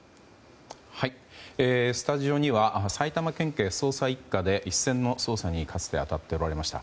スタジオには埼玉県警捜査１課で一線の捜査にかつて当たっておられました